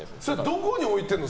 どこに置いてるの？